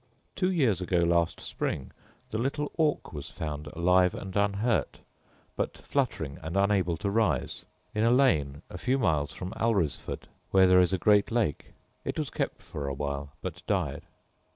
Two years ago last spring the little auk was found alive and unhurt, but fluttering and unable to rise, in a lane a few miles from Alresford, where there is a great lake: it was kept a while, but died.